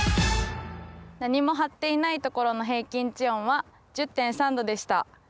何も張っていないところの平均地温は１０．３℃でした。